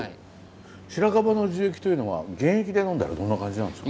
白樺の樹液というのは原液で飲んだらどんな感じなんですか？